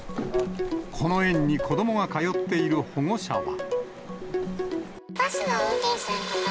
この園に子どもが通っている保護者は。